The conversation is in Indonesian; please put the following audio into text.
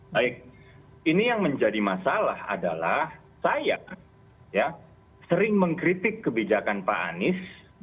baik ini yang menjadi masalah adalah saya sering mengkritik kebijakan pak anies